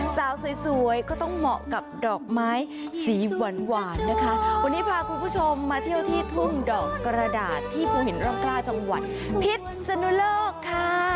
สาวสวยสวยก็ต้องเหมาะกับดอกไม้สีหวานหวานนะคะวันนี้พาคุณผู้ชมมาเที่ยวที่ทุ่งดอกกระดาษที่ภูหินร่องกล้าจังหวัดพิษสนุโลกค่ะ